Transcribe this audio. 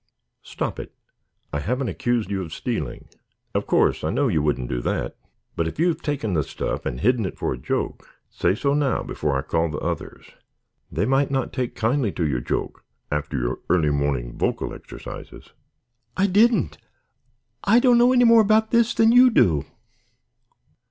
"Stop it! I haven't accused you of stealing. Of course I know you wouldn't do that, but if you have taken the stuff and hidden it for a joke, say so now before I call the others. They might not take kindly to your joke after your early morning vocal exercises." "I didn't. I don't know any more about it than you do."